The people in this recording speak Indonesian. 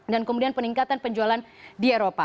dan kemudian peningkatan penjualan di eropa